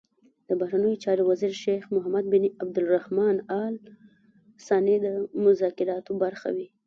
د بهرنیو چارو وزیر شیخ محمد بن عبدالرحمان ال ثاني د مذاکراتو برخه وي.